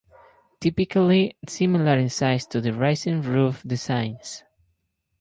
Typically similar in size to the rising roof designs.